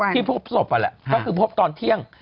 ที่พบศพนั่นแหละก็คือพบตอนเที่ยง